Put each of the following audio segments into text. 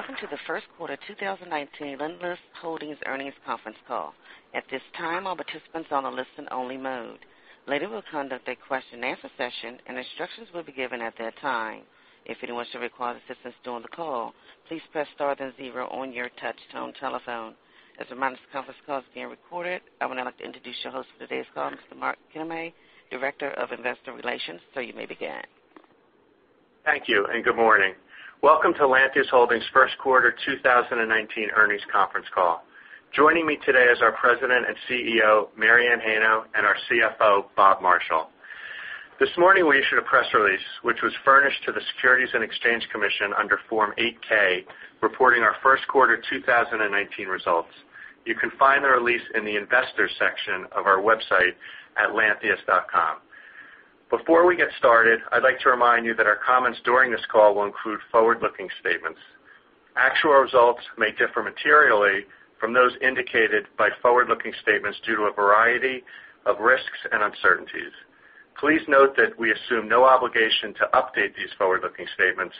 Welcome to the first quarter 2019 Lantheus Holdings earnings conference call. At this time, all participants are on a listen-only mode. Later, we'll conduct a question-and-answer session, and instructions will be given at that time. If anyone should require assistance during the call, please press star then zero on your touch-tone telephone. As a reminder, this conference call is being recorded. I would now like to introduce your host for today's call, Mr. Mark Kinarney, Director of Investor Relations. You may begin. Thank you, and good morning. Welcome to Lantheus Holdings' first quarter 2019 earnings conference call. Joining me today is our President and CEO, Mary Anne Heino, and our CFO, Bob Marshall. This morning, we issued a press release, which was furnished to the Securities and Exchange Commission under Form 8-K, reporting our first quarter 2019 results. You can find the release in the Investors section of our website at lantheus.com. Before we get started, I'd like to remind you that our comments during this call will include forward-looking statements. Actual results may differ materially from those indicated by forward-looking statements due to a variety of risks and uncertainties. Please note that we assume no obligation to update these forward-looking statements,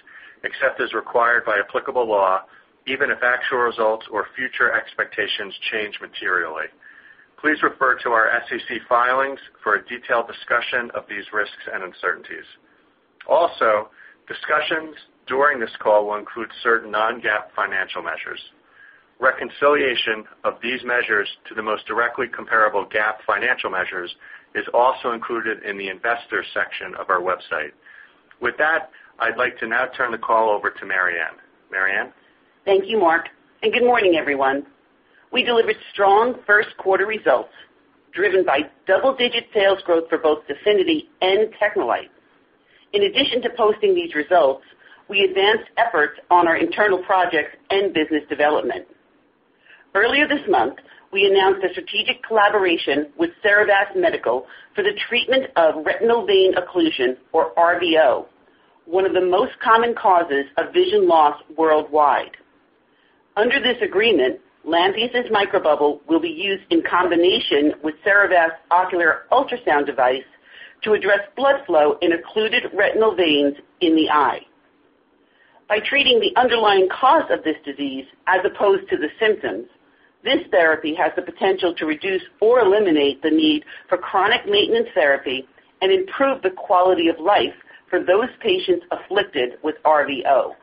except as required by applicable law, even if actual results or future expectations change materially. Please refer to our SEC filings for a detailed discussion of these risks and uncertainties. Discussions during this call will include certain non-GAAP financial measures. Reconciliation of these measures to the most directly comparable GAAP financial measures is also included in the Investors section of our website. With that, I'd like to now turn the call over to Mary Anne. Mary Anne? Thank you, Mark, and good morning, everyone. We delivered strong first quarter results, driven by double-digit sales growth for both DEFINITY and TechneLite. In addition to posting these results, we advanced efforts on our internal projects and business development. Earlier this month, we announced a strategic collaboration with Cerevast Medical for the treatment of retinal vein occlusion, or RVO, one of the most common causes of vision loss worldwide. Under this agreement, Lantheus' microbubble will be used in combination with Cerevast's ocular ultrasound device to address blood flow in occluded retinal veins in the eye. By treating the underlying cause of this disease, as opposed to the symptoms, this therapy has the potential to reduce or eliminate the need for chronic maintenance therapy and improve the quality of life for those patients afflicted with RVO.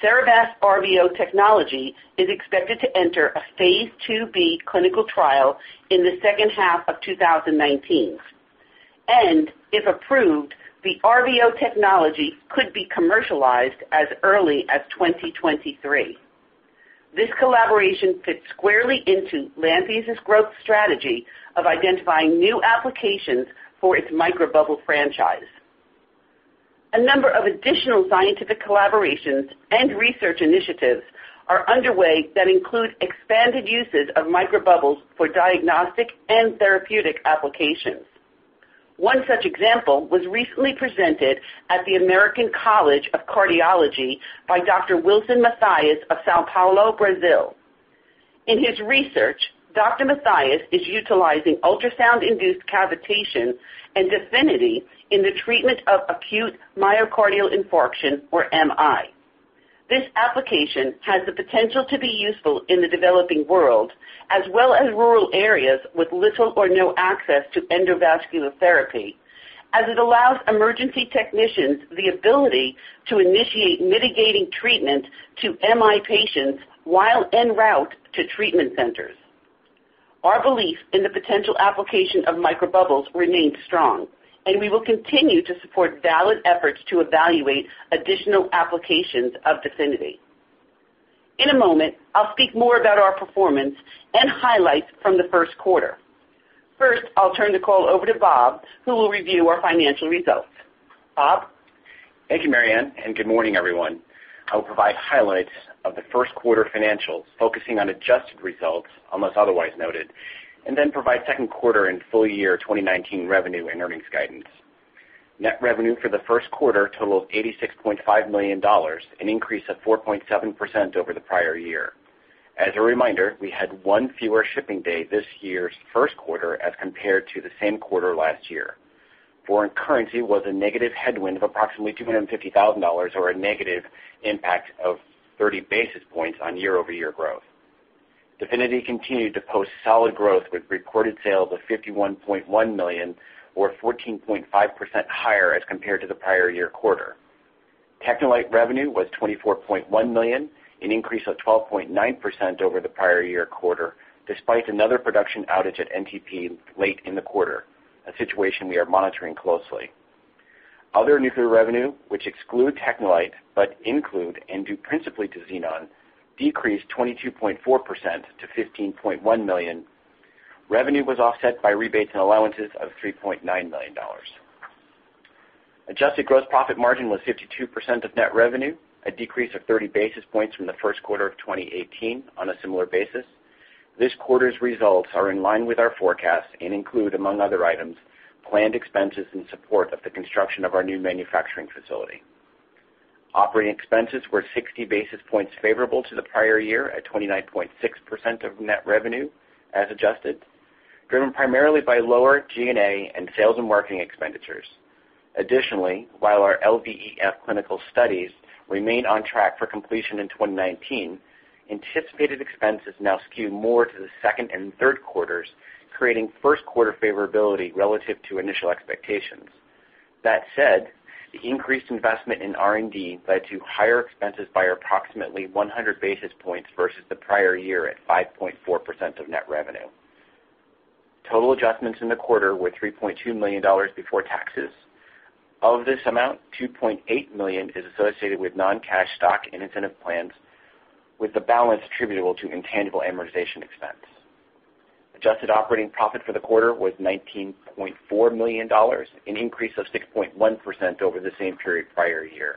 Cerevast's RVO technology is expected to enter a phase II-B clinical trial in the second half of 2019. If approved, the RVO technology could be commercialized as early as 2023. This collaboration fits squarely into Lantheus' growth strategy of identifying new applications for its microbubble franchise. A number of additional scientific collaborations and research initiatives are underway that include expanded uses of microbubbles for diagnostic and therapeutic applications. One such example was recently presented at the American College of Cardiology by Dr. Wilson Mathias of São Paulo, Brazil. In his research, Dr. Mathias is utilizing ultrasound-induced cavitation and DEFINITY in the treatment of acute myocardial infarction, or MI. This application has the potential to be useful in the developing world, as well as rural areas with little or no access to endovascular therapy, as it allows emergency technicians the ability to initiate mitigating treatment to MI patients while en route to treatment centers. Our belief in the potential application of microbubbles remains strong. We will continue to support valid efforts to evaluate additional applications of DEFINITY. In a moment, I'll speak more about our performance and highlights from the first quarter. I'll turn the call over to Bob, who will review our financial results. Bob? Thank you, Mary Anne. Good morning, everyone. I will provide highlights of the first quarter financials, focusing on adjusted results, unless otherwise noted. Then provide second quarter and full year 2019 revenue and earnings guidance. Net revenue for the first quarter totaled $86.5 million, an increase of 4.7% over the prior year. As a reminder, we had one fewer shipping day this year's first quarter as compared to the same quarter last year. Foreign currency was a negative headwind of approximately $250,000, or a negative impact of 30 basis points on year-over-year growth. DEFINITY continued to post solid growth with recorded sales of $51.1 million or 14.5% higher as compared to the prior year quarter. TechneLite revenue was $24.1 million, an increase of 12.9% over the prior year quarter, despite another production outage at NTP late in the quarter, a situation we are monitoring closely. Other nuclear revenue, which exclude TechneLite, include, due principally to Xenon, decreased 22.4% to $15.1 million. Revenue was offset by rebates and allowances of $3.9 million. Adjusted gross profit margin was 52% of net revenue, a decrease of 30 basis points from the first quarter of 2018 on a similar basis. This quarter's results are in line with our forecasts and include, among other items, planned expenses in support of the construction of our new manufacturing facility. Operating expenses were 60 basis points favorable to the prior year at 29.6% of net revenue as adjusted. Driven primarily by lower G&A and sales and marketing expenditures. While our LVEF clinical studies remain on track for completion in 2019, anticipated expenses now skew more to the second and third quarters, creating first quarter favorability relative to initial expectations. That said, the increased investment in R&D led to higher expenses by approximately 100 basis points versus the prior year at 5.4% of net revenue. Total adjustments in the quarter were $3.2 million before taxes. Of this amount, $2.8 million is associated with non-cash stock and incentive plans, with the balance attributable to intangible amortization expense. Adjusted operating profit for the quarter was $19.4 million, an increase of 6.1% over the same period prior year.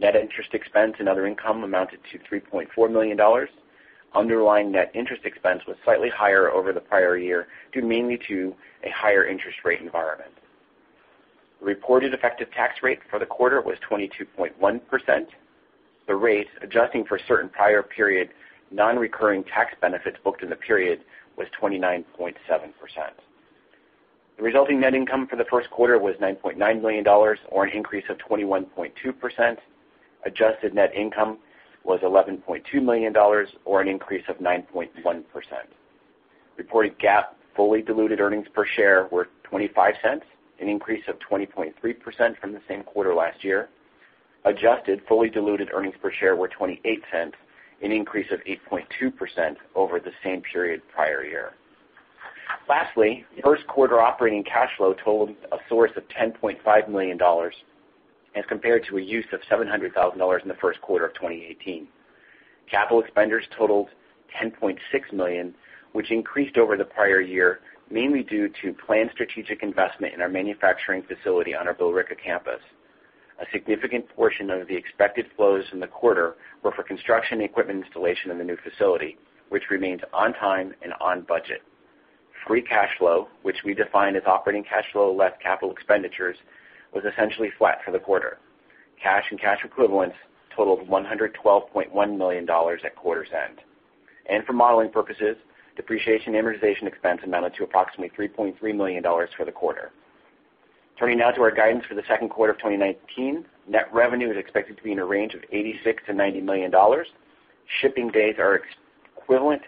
Net interest expense and other income amounted to $3.4 million. Underlying net interest expense was slightly higher over the prior year, due mainly to a higher interest rate environment. The reported effective tax rate for the quarter was 22.1%. The rate, adjusting for certain prior period non-recurring tax benefits booked in the period, was 29.7%. The resulting net income for the first quarter was $9.9 million, or an increase of 21.2%. Adjusted net income was $11.2 million, or an increase of 9.1%. Reported GAAP fully diluted earnings per share were $0.25, an increase of 20.3% from the same quarter last year. Adjusted fully diluted earnings per share were $0.28, an increase of 8.2% over the same period prior year. Lastly, first quarter operating cash flow totaled a source of $10.5 million as compared to a use of $700,000 in the first quarter of 2018. Capital expenditures totaled $10.6 million, which increased over the prior year, mainly due to planned strategic investment in our manufacturing facility on our Billerica campus. A significant portion of the expected flows from the quarter were for construction equipment installation in the new facility, which remains on time and on budget. Free cash flow, which we define as operating cash flow less capital expenditures, was essentially flat for the quarter. Cash and cash equivalents totaled $112.1 million at quarter's end. For modeling purposes, depreciation and amortization expense amounted to approximately $3.3 million for the quarter. Turning now to our guidance for the second quarter of 2019. Net revenue is expected to be in a range of $86 million-$90 million. Shipping days are equivalent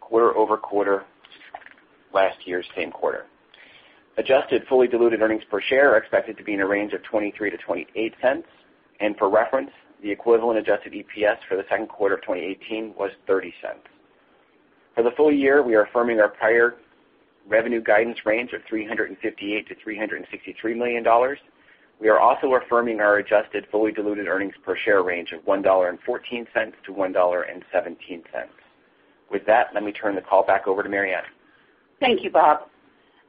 quarter-over-quarter last year's same quarter. Adjusted fully diluted earnings per share are expected to be in a range of $0.23-$0.28. For reference, the equivalent adjusted EPS for the second quarter of 2018 was $0.30. For the full year, we are affirming our prior revenue guidance range of $358 million-$363 million. We are also affirming our adjusted fully diluted earnings per share range of $1.14-$1.17. With that, let me turn the call back over to Mary Anne. Thank you, Bob.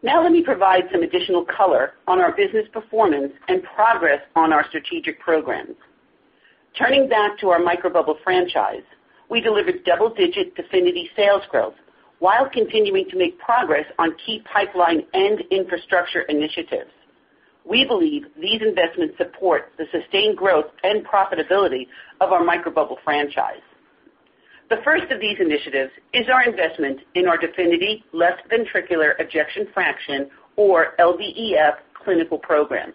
Now let me provide some additional color on our business performance and progress on our strategic programs. Turning back to our microbubble franchise, we delivered double-digit DEFINITY sales growth while continuing to make progress on key pipeline and infrastructure initiatives. We believe these investments support the sustained growth and profitability of our microbubble franchise. The first of these initiatives is our investment in our DEFINITY left ventricular ejection fraction, or LVEF, clinical program.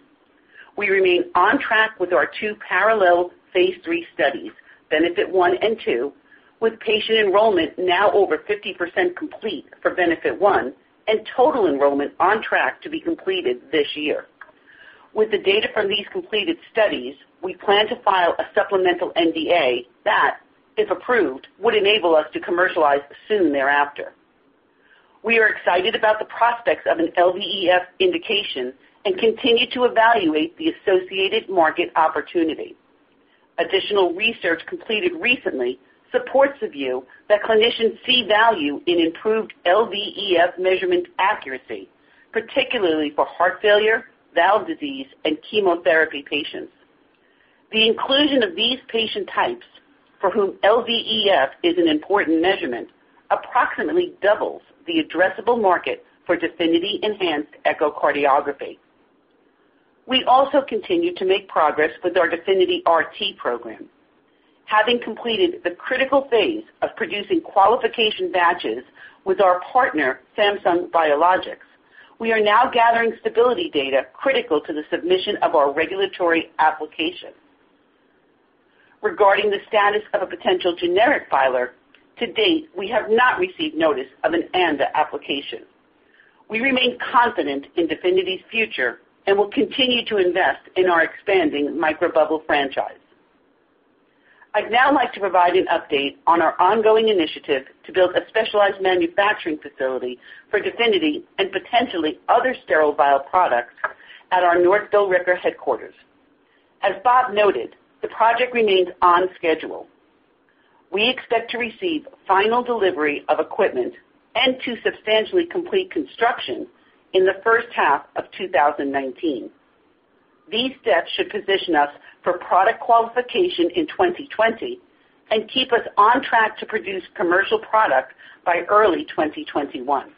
We remain on track with our two parallel phase III studies, BENEFIT 1 and 2, with patient enrollment now over 50% complete for BENEFIT 1, and total enrollment on track to be completed this year. With the data from these completed studies, we plan to file a supplemental NDA that, if approved, would enable us to commercialize soon thereafter. We are excited about the prospects of an LVEF indication and continue to evaluate the associated market opportunity. Additional research completed recently supports the view that clinicians see value in improved LVEF measurement accuracy, particularly for heart failure, valve disease, and chemotherapy patients. The inclusion of these patient types, for whom LVEF is an important measurement, approximately doubles the addressable market for DEFINITY enhanced echocardiography. We also continue to make progress with our DEFINITY RT program. Having completed the critical phase of producing qualification batches with our partner, Samsung Biologics, we are now gathering stability data critical to the submission of our regulatory application. Regarding the status of a potential generic filer, to date, we have not received notice of an ANDA application. We remain confident in DEFINITY's future and will continue to invest in our expanding microbubble franchise. I'd now like to provide an update on our ongoing initiative to build a specialized manufacturing facility for DEFINITY and potentially other sterile vial products at our North Billerica headquarters. As Bob noted, the project remains on schedule. We expect to receive final delivery of equipment and to substantially complete construction in the first half of 2019. These steps should position us for product qualification in 2020 and keep us on track to produce commercial product by early 2021.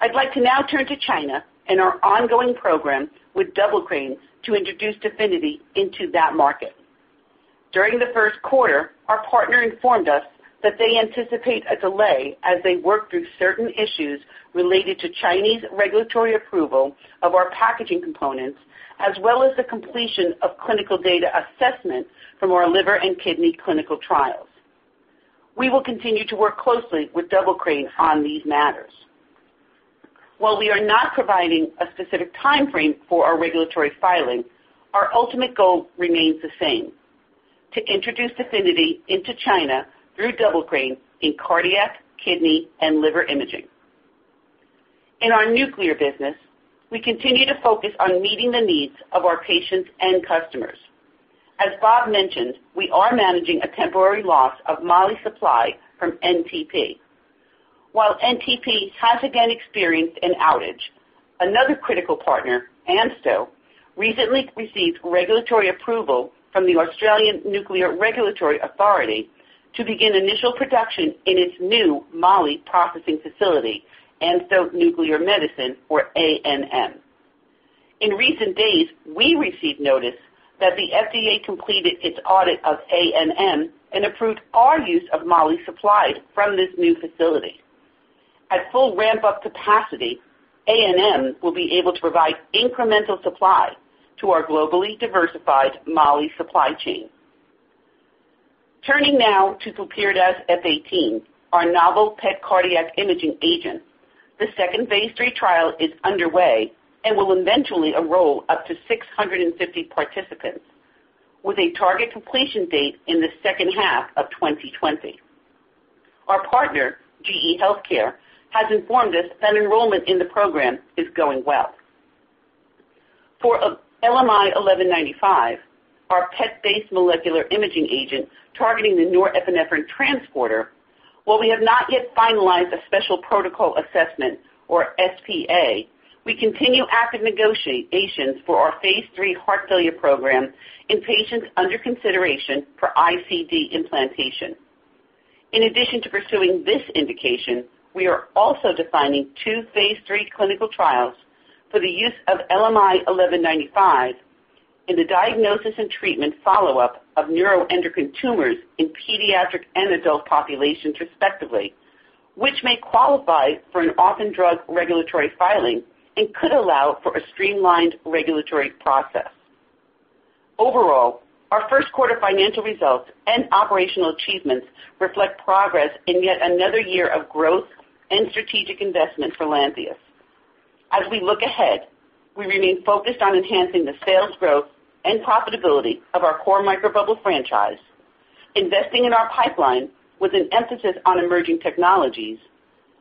I'd like to now turn to China and our ongoing program with Double-Crane to introduce DEFINITY into that market. During the first quarter, our partner informed us that they anticipate a delay as they work through certain issues related to Chinese regulatory approval of our packaging components, as well as the completion of clinical data assessment from our liver and kidney clinical trials. We will continue to work closely with Double-Crane on these matters. We are not providing a specific timeframe for our regulatory filing, our ultimate goal remains the same, to introduce DEFINITY into China through Double-Crane in cardiac, kidney, and liver imaging. In our nuclear business, we continue to focus on meeting the needs of our patients and customers. As Bob mentioned, we are managing a temporary loss of moly supply from NTP. NTP has again experienced an outage, another critical partner, ANSTO, recently received regulatory approval from the Australian nuclear regulatory authority to begin initial production in its new moly processing facility, ANSTO Nuclear Medicine, or ANM. In recent days, we received notice that the FDA completed its audit of ANM and approved our use of moly supplies from this new facility. At full ramp-up capacity, ANM will be able to provide incremental supply to our globally diversified moly supply chain. Turning now to flurpiridaz F 18, our novel PET cardiac imaging agent. The second phase III trial is underway and will eventually enroll up to 650 participants, with a target completion date in the second half of 2020. Our partner, GE HealthCare, has informed us that enrollment in the program is going well. For LMI 1195, our PET-based molecular imaging agent targeting the norepinephrine transporter, we have not yet finalized a special protocol assessment or SPA, we continue active negotiations for our phase III heart failure program in patients under consideration for ICD implantation. In addition to pursuing this indication, we are also defining two phase III clinical trials for the use of LMI 1195 in the diagnosis and treatment follow-up of neuroendocrine tumors in pediatric and adult populations respectively, which may qualify for an orphan drug regulatory filing and could allow for a streamlined regulatory process. Overall, our first quarter financial results and operational achievements reflect progress in yet another year of growth and strategic investment for Lantheus. As we look ahead, we remain focused on enhancing the sales growth and profitability of our core microbubble franchise, investing in our pipeline with an emphasis on emerging technologies,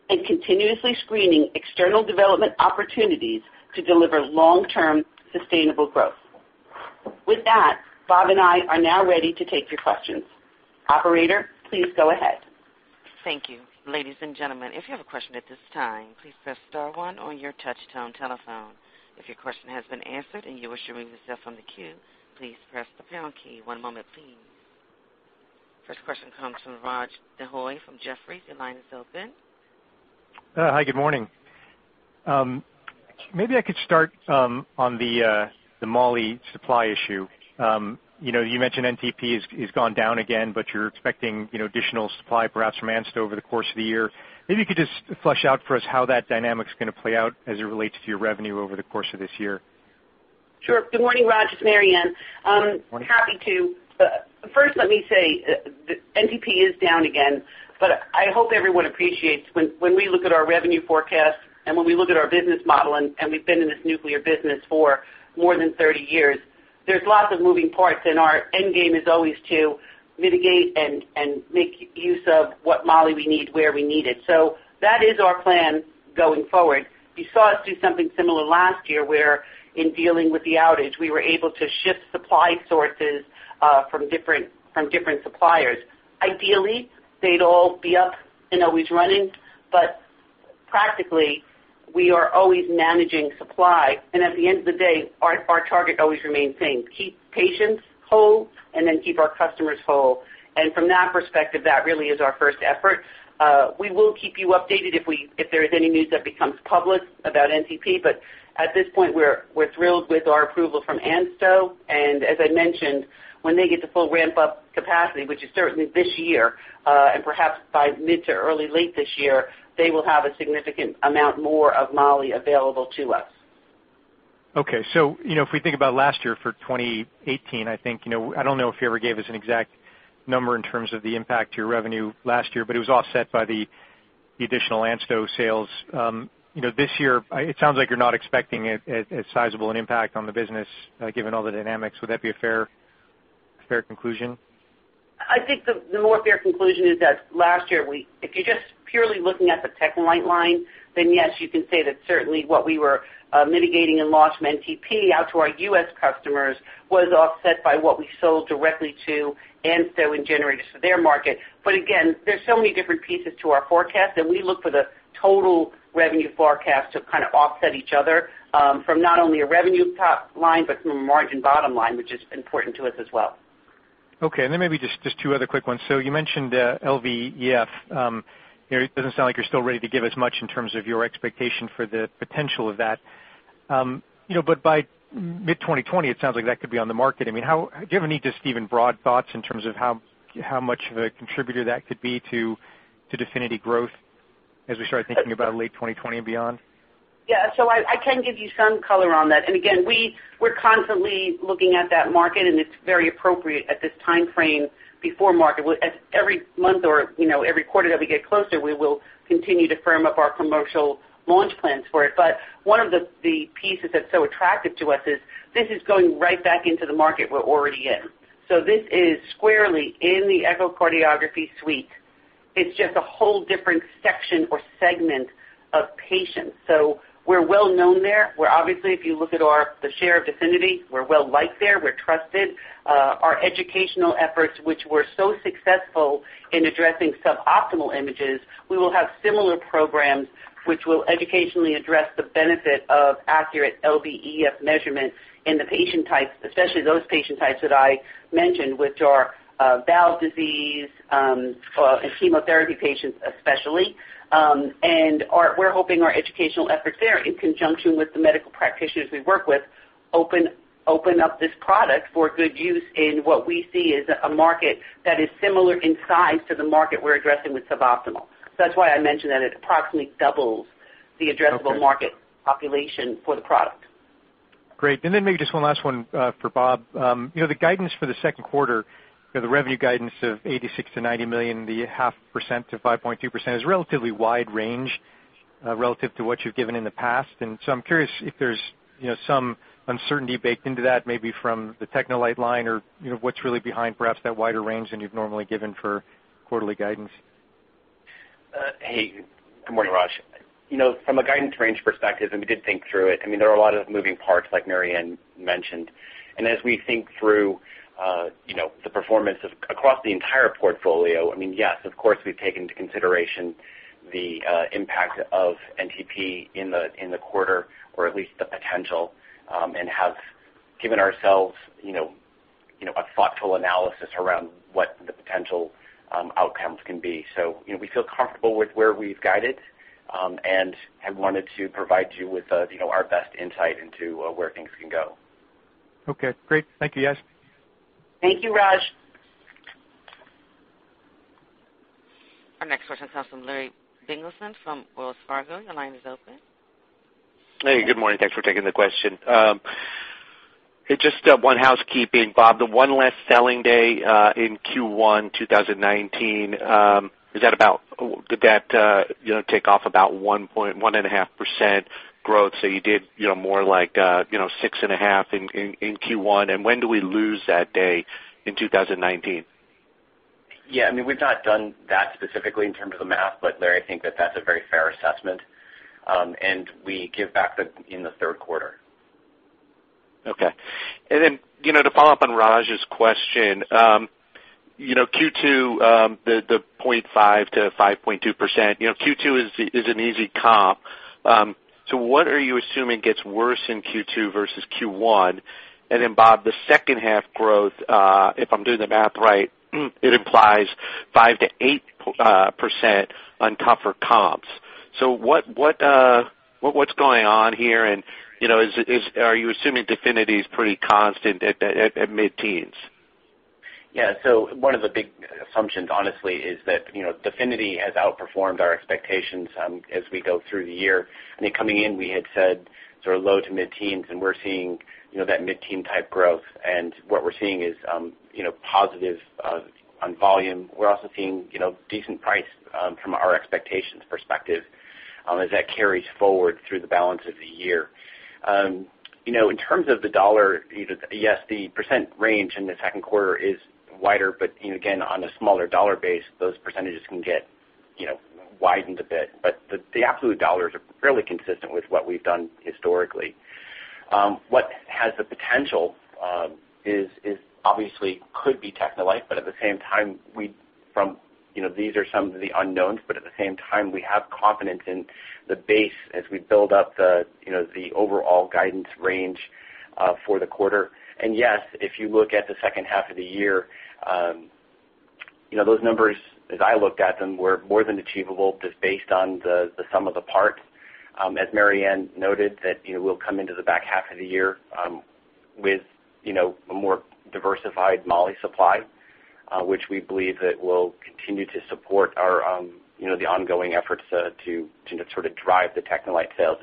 and continuously screening external development opportunities to deliver long-term sustainable growth. With that, Bob and I are now ready to take your questions. Operator, please go ahead. Thank you. Ladies and gentlemen, if you have a question at this time, please press star one on your touch tone telephone. If your question has been answered and you wish to remove yourself from the queue, please press the pound key. One moment, please. First question comes from Raj Denhoy from Jefferies. Your line is open. Hi, good morning. Maybe I could start on the moly supply issue. You mentioned NTP has gone down again. You're expecting additional supply perhaps from ANSTO over the course of the year. Maybe you could just flesh out for us how that dynamic's going to play out as it relates to your revenue over the course of this year. Sure. Good morning, Raj. It's Mary Anne. Morning. Happy to. First let me say, NTP is down again, but I hope everyone appreciates when we look at our revenue forecast and when we look at our business model, and we've been in this nuclear business for more than 30 years, there's lots of moving parts, and our end game is always to mitigate and make use of what moly we need where we need it. That is our plan going forward. You saw us do something similar last year where in dealing with the outage, we were able to shift supply sources from different suppliers. Ideally, they'd all be up and always running, but practically, we are always managing supply. At the end of the day, our target always remains the same, keep patients whole and then keep our customers whole. From that perspective, that really is our first effort. We will keep you updated if there is any news that becomes public about NTP, but at this point, we're thrilled with our approval from ANSTO. As I mentioned, when they get to full ramp-up capacity, which is certainly this year, and perhaps by mid to early late this year, they will have a significant amount more of moly available to us. Okay. If we think about last year for 2018, I don't know if you ever gave us an exact number in terms of the impact to your revenue last year, but it was offset by the additional ANSTO sales. This year, it sounds like you're not expecting as sizable an impact on the business given all the dynamics. Would that be a fair conclusion? I think the more fair conclusion is that last year, if you're just purely looking at the TechneLite line, then yes, you can say that certainly what we were mitigating in loss from NTP out to our U.S. customers was offset by what we sold directly to ANSTO and generated for their market. Again, there's so many different pieces to our forecast, we look for the total revenue forecast to kind of offset each other, from not only a revenue top line, but from a margin bottom line, which is important to us as well. Okay. Maybe just two other quick ones. You mentioned LVEF. It doesn't sound like you're still ready to give as much in terms of your expectation for the potential of that. By mid-2020, it sounds like that could be on the market. Do you have any, just even broad thoughts in terms of how much of a contributor that could be to DEFINITY growth as we start thinking about late 2020 and beyond? Yeah. I can give you some color on that. Again, we're constantly looking at that market, and it's very appropriate at this timeframe before market. Every month or every quarter that we get closer, we will continue to firm up our commercial launch plans for it. One of the pieces that's so attractive to us is this is going right back into the market we're already in. This is squarely in the echocardiography suite. It's just a whole different section or segment of patients. We're well-known there. We're obviously, if you look at the share of DEFINITY, we're well-liked there. We're trusted. Our educational efforts, which were so successful in addressing suboptimal images, we will have similar programs which will educationally address the benefit of accurate LVEF measurement in the patient types, especially those patient types that I mentioned, which are valve disease and chemotherapy patients especially. We're hoping our educational efforts there, in conjunction with the medical practitioners we work with, open up this product for good use in what we see as a market that is similar in size to the market we're addressing with suboptimal. That's why I mentioned that it approximately doubles the addressable market population for the product. Great. Maybe just one last one for Bob. The guidance for the second quarter, the revenue guidance of $86 million-$90 million, the 0.5%-5.2% is relatively wide range relative to what you've given in the past. I'm curious if there's some uncertainty baked into that, maybe from the TechneLite line or what's really behind perhaps that wider range than you've normally given for quarterly guidance. Hey, good morning, Raj. From a guidance range perspective, we did think through it, there are a lot of moving parts, like Mary Anne mentioned. As we think through the performance across the entire portfolio, yes, of course, we've taken into consideration the impact of NTP in the quarter or at least the potential and have given ourselves a thoughtful analysis around what the potential outcomes can be. We feel comfortable with where we've guided and had wanted to provide you with our best insight into where things can go. Okay, great. Thank you, guys. Thank you, Raj. Our next question comes from Larry Biegelsen from Wells Fargo. Your line is open. Hey, good morning. Thanks for taking the question. Just one housekeeping, Bob, the one less selling day in Q1 2019, did that take off about 1.5% growth? You did more like 6.5% in Q1, when do we lose that day in 2019? Yeah, we've not done that specifically in terms of the math, Larry, I think that that's a very fair assessment. We give back in the third quarter. Okay. Then to follow up on Raj's question, Q2, the 0.5%-5.2%, Q2 is an easy comp. What are you assuming gets worse in Q2 versus Q1? Then Bob, the second half growth, if I'm doing the math right, it implies 5%-8% on tougher comps. What's going on here, are you assuming DEFINITY is pretty constant at mid-teens? Yeah. One of the big assumptions, honestly, is that DEFINITY has outperformed our expectations as we go through the year. I think coming in, we had said sort of low to mid-teens, we're seeing that mid-teen type growth, what we're seeing is positive on volume. We're also seeing decent price from our expectations perspective as that carries forward through the balance of the year. In terms of the dollar, yes, the percent range in the second quarter is wider, again, on a smaller dollar base, those percentages can get widened a bit. The absolute dollars are fairly consistent with what we've done historically. What has the potential obviously could be TechneLite, at the same time, these are some of the unknowns, at the same time, we have confidence in the base as we build up the overall guidance range for the quarter. Yes, if you look at the second half of the year, those numbers, as I looked at them, were more than achievable just based on the sum of the parts. As Mary Anne noted, that we'll come into the back half of the year with a more diversified moly supply, which we believe that will continue to support the ongoing efforts to sort of drive the TechneLite sales.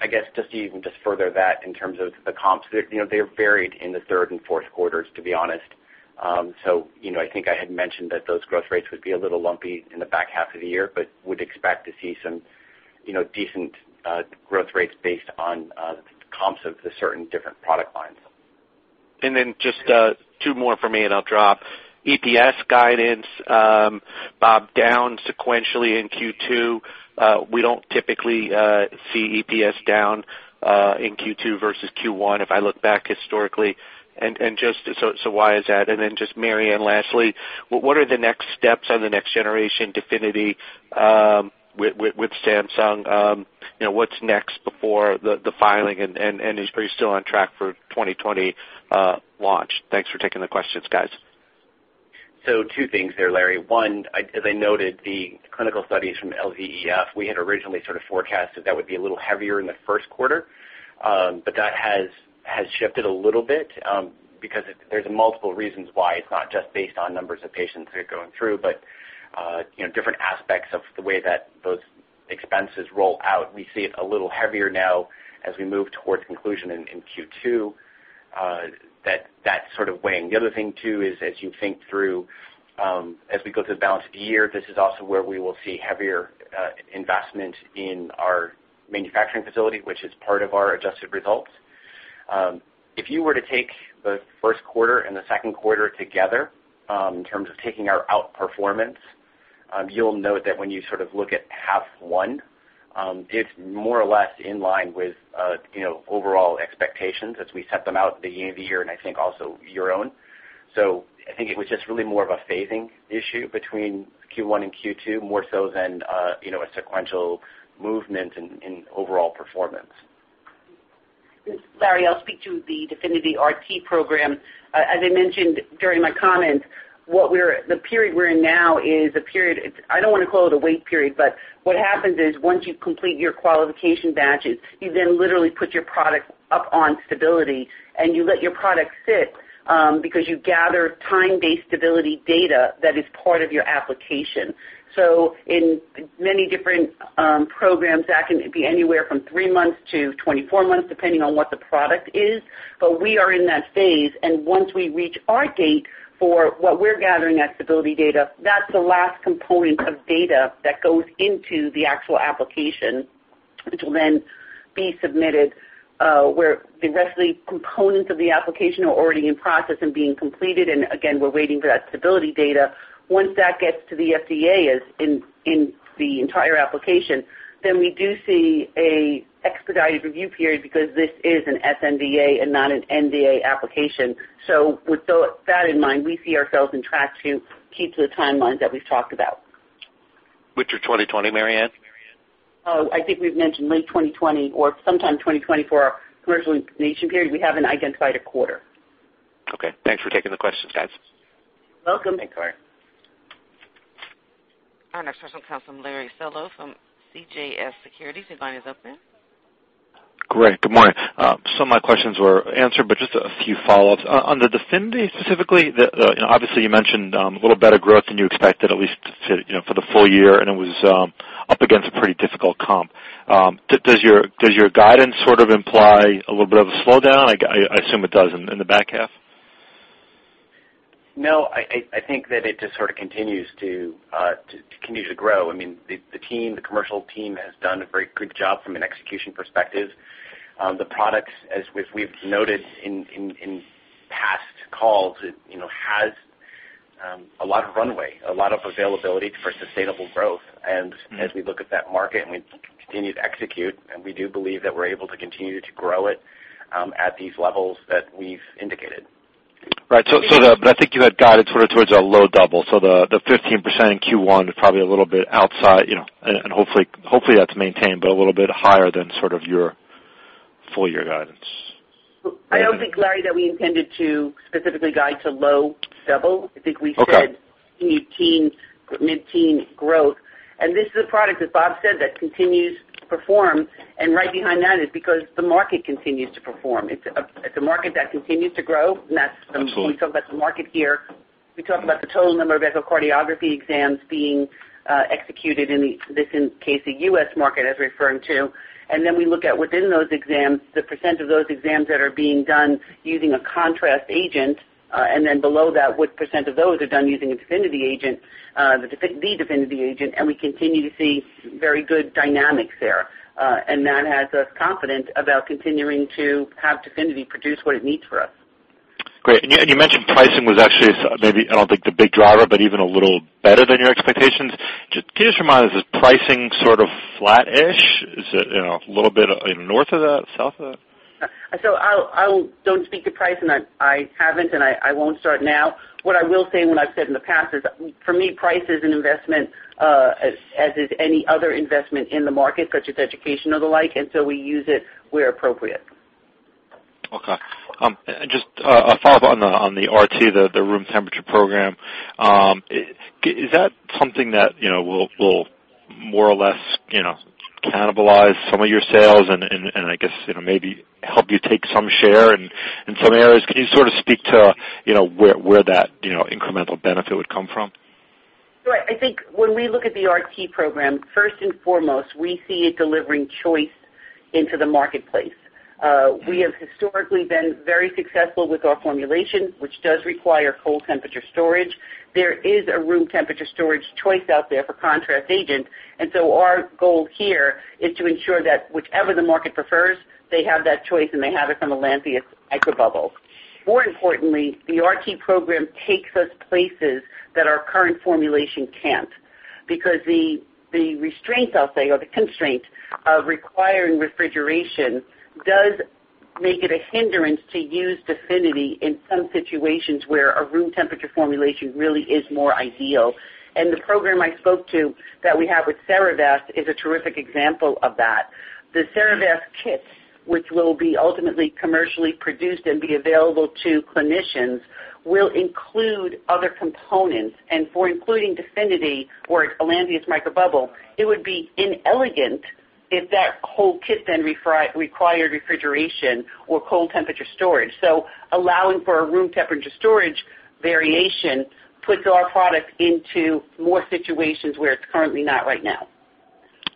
I guess just to even just further that in terms of the comps, they're varied in the third and fourth quarters, to be honest. I think I had mentioned that those growth rates would be a little lumpy in the back half of the year, but would expect to see some decent growth rates based on comps of the certain different product lines. Then just two more from me, and I'll drop. EPS guidance, Bob, down sequentially in Q2. We don't typically see EPS down in Q2 versus Q1 if I look back historically. Just so why is that? Then just Mary Anne, lastly, what are the next steps on the next generation DEFINITY with Samsung? What's next before the filing, and are you still on track for 2020 launch? Thanks for taking the questions, guys. Two things there, Larry. One, as I noted, the clinical studies from LVEF, we had originally sort of forecasted that would be a little heavier in the first quarter. That has shifted a little bit, because there's multiple reasons why it's not just based on numbers of patients that are going through, but different aspects of the way that those expenses roll out. We see it a little heavier now as we move towards conclusion in Q2, that sort of weighing. The other thing too is as you think through, as we go through the balance of the year, this is also where we will see heavier investment in our manufacturing facility, which is part of our adjusted results. If you were to take the first quarter and the second quarter together, in terms of taking our outperformance, you'll note that when you look at half one, it's more or less in line with overall expectations as we set them out at the beginning of the year, and I think also your own. I think it was just really more of a phasing issue between Q1 and Q2, more so than a sequential movement in overall performance. Larry, I'll speak to the DEFINITY RT program. As I mentioned during my comments, the period we're in now is a period, I don't want to call it a wait period, but what happens is once you complete your qualification batches, you then literally put your product up on stability and you let your product sit, because you gather time-based stability data that is part of your application. In many different programs, that can be anywhere from 3-24 months, depending on what the product is. We are in that phase, and once we reach our date for what we're gathering that stability data, that's the last component of data that goes into the actual application, which will then be submitted, where the rest of the components of the application are already in process and being completed. Again, we're waiting for that stability data. Once that gets to the FDA, in the entire application, then we do see an expedited review period because this is an sNDA and not an NDA application. With that in mind, we see ourselves on track to keep to the timelines that we've talked about. Which are 2020, Mary Anne? Oh, I think we've mentioned late 2020 or sometime 2020 for our commercial implementation period. We haven't identified a quarter. Okay. Thanks for taking the questions, guys. You're welcome. Thanks, Larry. Our next question comes from Larry Solow from CJS Securities. Your line is open. Great. Good morning. Some of my questions were answered, just a few follow-ups. On the DEFINITY specifically, obviously you mentioned a little better growth than you expected, at least for the full year, and it was up against a pretty difficult comp. Does your guidance sort of imply a little bit of a slowdown? I assume it does in the back half. No, I think that it just sort of continues to grow. The commercial team has done a very good job from an execution perspective. The products, as we've noted in past calls, it has a lot of runway, a lot of availability for sustainable growth. As we look at that market and we continue to execute, and we do believe that we're able to continue to grow it, at these levels that we've indicated. Right. I think you had guided sort of towards a low-double. The 15% in Q1 is probably a little bit outside, and hopefully that's maintained, but a little bit higher than sort of your full-year guidance. I don't think, Larry, that we intended to specifically guide to low-double. Okay. I think we said mid-teen growth. This is a product, as Bob said, that continues to perform. Right behind that is because the market continues to perform. It's a market that continues to grow. Absolutely. That's when we talk about the market here, we talk about the total number of echocardiography exams being executed in this case, the U.S. market as referring to. Then we look at within those exams, the percent of those exams that are being done using a contrast agent. Then below that, what percent of those are done using a DEFINITY agent, the DEFINITY agent, we continue to see very good dynamics there. That has us confident about continuing to have DEFINITY produce what it needs for us. Great. You mentioned pricing was actually maybe, I don't think the big driver, but even a little better than your expectations. Can you just remind us, is pricing sort of flattish? Is it a little bit north of that, south of that? I don't speak to pricing. I haven't, I won't start now. What I will say, what I've said in the past is, for me, price is an investment, as is any other investment in the market, such as education or the like, we use it where appropriate. Okay. Just a follow-up on the RT, the room temperature program. Is that something that will more or less cannibalize some of your sales and I guess maybe help you take some share in some areas? Can you sort of speak to where that incremental benefit would come from? Sure. I think when we look at the RT program, first and foremost, we see it delivering choice into the marketplace. We have historically been very successful with our formulation, which does require cold temperature storage. There is a room temperature storage choice out there for contrast agent. Our goal here is to ensure that whichever the market prefers, they have that choice and they have it from Lantheus' microbubble. More importantly, the RT program takes us places that our current formulation can't, because the restraint, I'll say, or the constraint of requiring refrigeration does make it a hindrance to use DEFINITY in some situations where a room temperature formulation really is more ideal. The program I spoke to that we have with Cerevast is a terrific example of that. The Cerevast kits, which will be ultimately commercially produced and be available to clinicians, will include other components. For including DEFINITY or Lantheus' microbubble, it would be inelegant if that whole kit then required refrigeration or cold temperature storage. Allowing for a room temperature storage variation puts our product into more situations where it's currently not right now.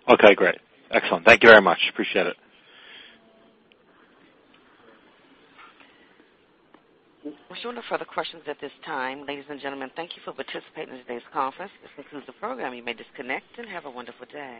Okay, great. Excellent. Thank you very much. Appreciate it. We sure have no further questions at this time. Ladies and gentlemen, thank you for participating in today's conference. This concludes the program. You may disconnect and have a wonderful day.